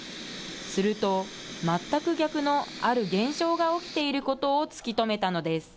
すると、全く逆のある現象が起きていることを突き止めたのです。